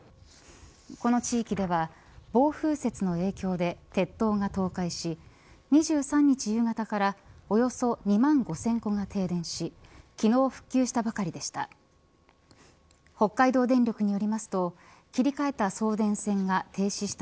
この地域では暴風雪の影響で鉄塔が倒壊し２３日夕方からおよそ２万５０００戸が停電し昨日、復旧したばかりでした。